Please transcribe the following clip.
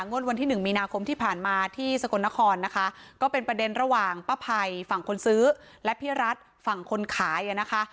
วันที่หนึ่งมีนาคมที่ผ่านมาที่สกลนครนะคะก็เป็นประเด็นระหว่างป้าภัยฝั่งคนซื้อและพี่รัฐฝั่งคนขายอ่ะนะคะ